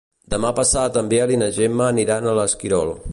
Demà passat en Biel i na Gemma aniran a l'Esquirol.